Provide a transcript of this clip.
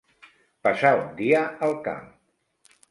Passar un dia al camp.